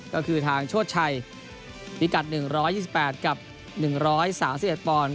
ก็คือทางโชชัยพิกัด๑๒๘กับ๑๓๑ปอนด์